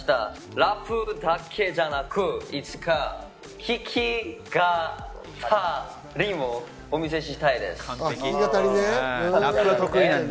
ラップだけじゃなく、いつか弾き語りもお見せしたいです。